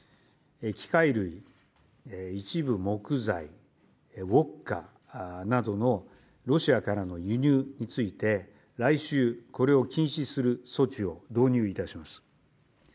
機械類、一部木材、ウオッカなどのロシアからの輸入について、来週、これを禁止する措置を導入いたします。